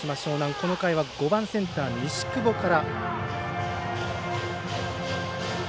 この回は５番センター西窪から。